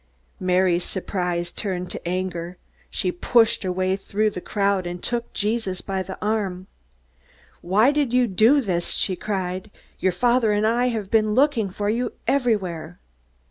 Mary's surprise turned to anger. She pushed her way through the crowd and took Jesus by the arm. "Why did you do this?" she cried. "Your father and I have been looking for you everywhere."